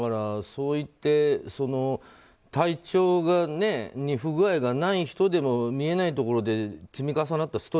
そういって体調に不具合がない人でも見えないところで積み重なった